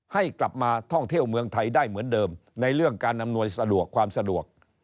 ให้กลับมาท่องเที่ยวเมืองไทยได้เหมือนเดิมในเรื่องการอำนวยสะดวกความสะดวก